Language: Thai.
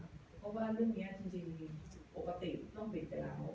เพราะว่าเรื่องนี้จริงปกติต้องปิดแต่แล้ว